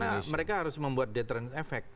iya karena mereka harus membuat deterrent effect